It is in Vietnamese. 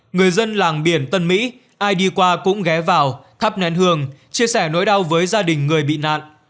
người dân làng biển tân mỹ ai đi qua cũng ghé vào thắp nén hương chia sẻ nỗi đau với gia đình người bị nạn